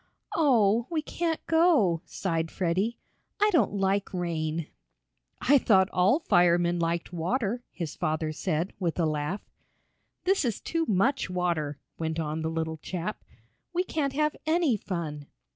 "Oh, we can't go!" sighed Freddie. "I don't like rain!" "I thought all firemen liked water," his father said, with a laugh. "This is too much water!" went on the little chap. "We can't have any fun."